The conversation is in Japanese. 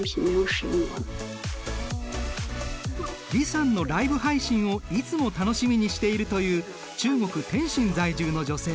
李さんのライブ配信をいつも楽しみにしているという中国・天津在住の女性。